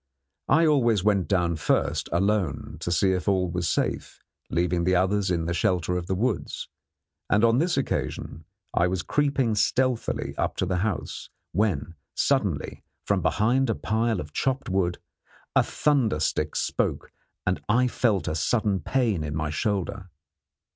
I always went down first alone to see if all was safe, leaving the others in the shelter of the woods, and on this occasion I was creeping stealthily up to the house, when suddenly, from behind a pile of chopped wood, a thunder stick spoke and I felt a sudden pain in my shoulder.